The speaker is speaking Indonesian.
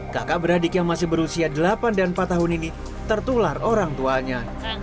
kakak beradik yang masih berusia delapan dan empat tahun ini tertular orang tuanya